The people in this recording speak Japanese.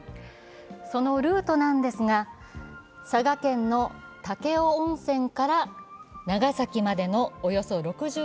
そのルートなんですが、佐賀県の武雄温泉から長崎までのおよそ６６ｋｍ。